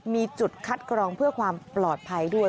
มีจุดคัดกรองเพื่อความปลอดภัยด้วย